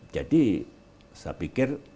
jadi saya pikir